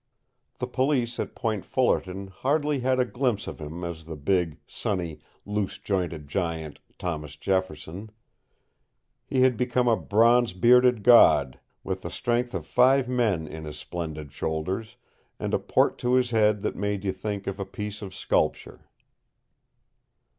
The police at Point Fullerton hardly had a glimpse of him as the big, sunny, loose jointed giant, Thomas Jefferson. He had become a bronze bearded god, with the strength of five men in his splendid shoulders, and a port to his head that made you think of a piece of sculpture.